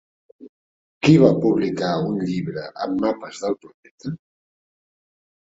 Qui va publicar un llibre amb mapes del planeta?